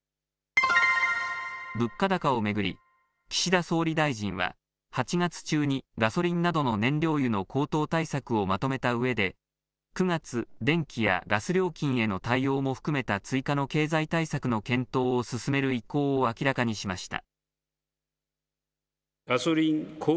物価高を巡り、岸田総理大臣は、８月中にガソリンなどの燃料油の高騰対策をまとめたうえで、９月、電気やガス料金への対応も含めた追加の経済対策の検討を進める意向を明らかにしました。